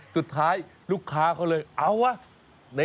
สุดท้ายลูกค้าเขาเลยเอาวะ